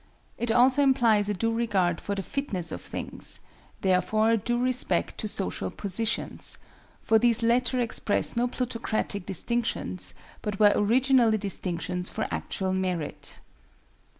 It also implies a due regard for the fitness of things, therefore due respect to social positions; for these latter express no plutocratic distinctions, but were originally distinctions for actual merit.